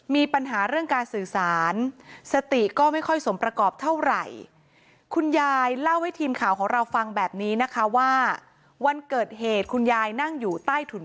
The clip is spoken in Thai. มีปัญหาเรื่องการสื่อสารสติก็ไม่ค่อยสมประกอบเท่าไหร่